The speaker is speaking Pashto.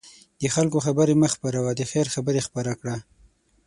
د خلکو خبرې مه خپره وه، د خیر خبرې خپره کړه.